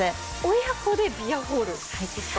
親子でビアホールですか？